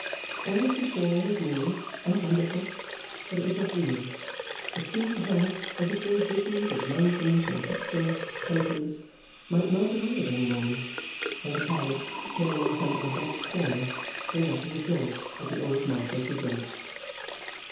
All that she saw was new and wonderful, but it was not real; it seemed to her as if those visions of mountains and picturesque countries might melt away at any moment, and the carriage, turning some abrupt corner, bring up with a jolt at the old Marshalsea gate.